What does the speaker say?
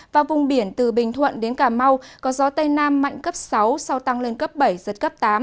và vùng biển từ bình thuận đến cà mau có gió tây nam mạnh cấp sáu sau tăng lên cấp bảy giật cấp tám